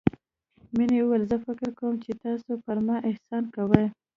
مينې وويل زه فکر کوم چې تاسو پر ما احسان کوئ.